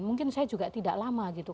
mungkin saya juga tidak lama gitu